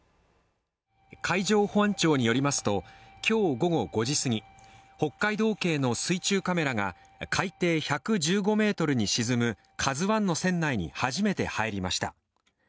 海上保安庁によりますと、今日午後５時すぎ、北海道警の水中カメラが海底１１５ｍに沈む「ＫＡＺＵⅠ」の船内に初めて入りました。